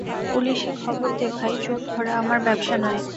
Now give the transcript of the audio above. পুলিসে খবর দে ভাই, চোর ধরা আমার ব্যাবসা নয়।